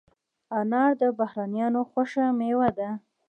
انار د بهرنیانو خوښه مېوه ده.